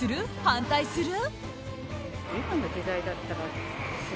反対する？